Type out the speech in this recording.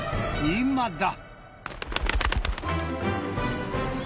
今だ！